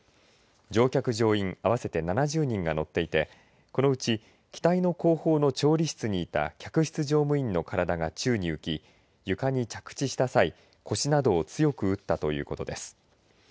乗客、乗員合わせて７０人が乗っていてこのうち機体の後方の調理室にいた客室乗務員の体が宙に浮き床に着地した際、腰などを強く打ったということです。